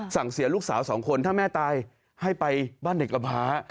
เสียลูกสาวสองคนถ้าแม่ตายให้ไปบ้านเด็กกระพ้า